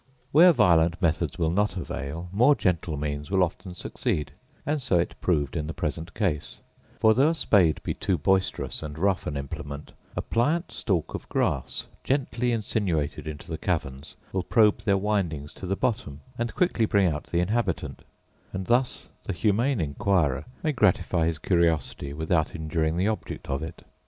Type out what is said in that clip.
Where violent methods will not avail, more gentle means will often succeed; and so it proved in the present case; for, though a spade be too boisterous and rough an implement, a pliant stalk of grass, gently insinuated into the caverns, will probe their windings to the bottom, and quickly bring out the inhabitant; and thus the humane inquirer may gratify his curiosity without injuring the object of it.